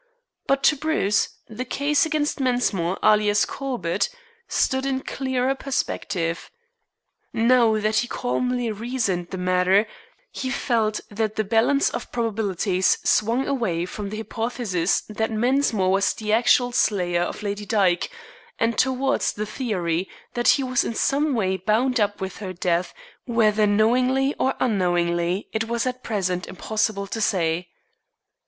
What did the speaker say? But to Bruce the case against Mensmore, alias Corbett, stood in clearer perspective. Now that he calmly reasoned the matter he felt that the balance of probabilities swung away from the hypothesis that Mensmore was the actual slayer of Lady Dyke, and towards the theory that he was in some way bound up with her death, whether knowingly or unknowingly it was at present impossible to say.